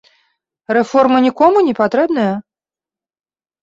Рэформы нікому не патрэбныя?